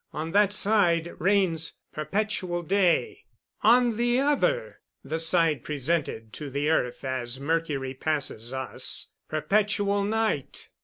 On that side reigns perpetual day; on the other the side presented to the earth as Mercury passes us perpetual night.